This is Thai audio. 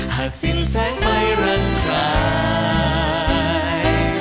หาสิ้นแสงไปรักกาย